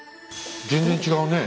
全然違うね。